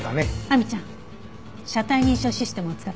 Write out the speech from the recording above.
亜美ちゃん車体認証システムを使って。